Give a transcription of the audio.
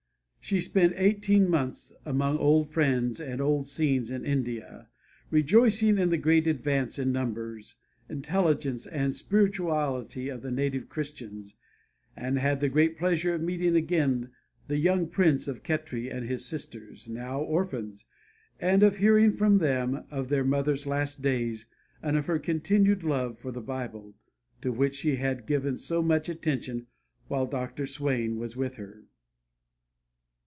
She spent eighteen months among old friends and old scenes in India, rejoicing in the great advance in numbers, intelligence and spirituality of the native Christians, and had the great pleasure of meeting again the young prince of Khetri and his sisters now orphans and of hearing from them of their mother's last days and of her continued love for the Bible, to which she had given so much attention while Dr. Swain was with her.